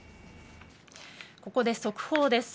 ここで速報です。